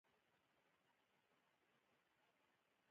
زیات وخت یې د نورو په خدمت کې تېرېږي.